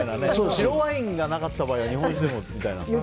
白ワインがなかった場合は日本酒でもみたいな。